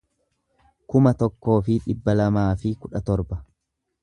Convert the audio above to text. kuma tokkoo fi dhibba lamaa fi kudha torba